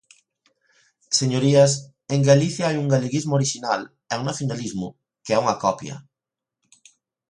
Señorías, en Galicia hai un galeguismo orixinal e un nacionalismo que é unha copia.